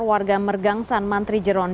warga mergang san mantri jeron